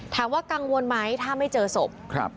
กังวลไหมถ้าไม่เจอศพ